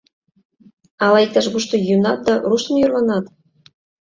— Ала иктаж-кушто йӱынат да руштын йӧрлынат?